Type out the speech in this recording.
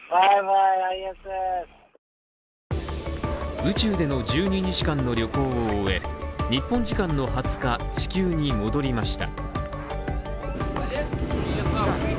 宇宙での１２日間の旅行を終え日本時間の２０日、地球に戻りました。